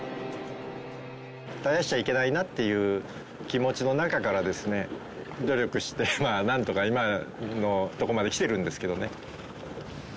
絶やしちゃいけないなっていう気持ちの中からですね努力してまあなんとか今のところまで来てるんですけどね。